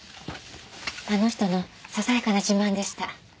あの人のささやかな自慢でした。